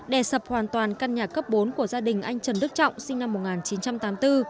đè sập hoàn toàn căn nhà cấp bốn của gia đình anh trần đức trọng sinh năm một nghìn chín trăm tám mươi bốn